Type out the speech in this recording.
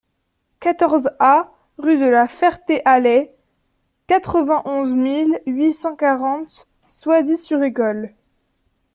quatorze A rue de la Ferté-Alais, quatre-vingt-onze mille huit cent quarante Soisy-sur-École